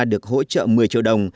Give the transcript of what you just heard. được hỗ trợ một mươi triệu đồng